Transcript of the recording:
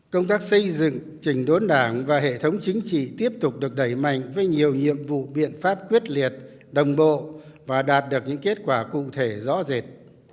công tác xây dựng trình đốn đảng và hệ thống chính trị tiếp tục được đẩy mạnh với nhiều nhiệm vụ biện pháp quyết liệt đồng bộ và đạt được những kết quả cụ thể rõ rệt